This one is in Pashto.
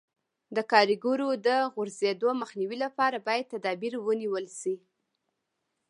د کاریګرو د غورځېدو مخنیوي لپاره باید تدابیر ونیول شي.